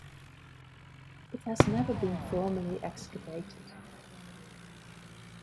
It has never been formally excavated.